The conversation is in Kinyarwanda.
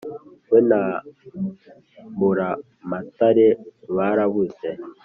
We na Mburamatare barabuze